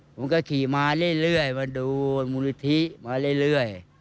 ผมก็ขี่มาเรื่อยมาดูมูลนิธิมาเรื่อย